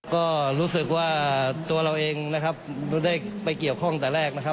ก็รู้สึกว่าตัวเราเองไม่ได้ไปเกี่ยวข้องแต่แรก